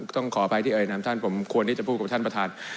ต้องขออภัยที่เอ่ยนามท่านผมควรที่จะพูดกับท่านประธาน